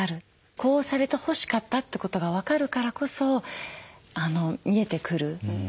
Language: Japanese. こうされてほしかったってことが分かるからこそ見えてくる。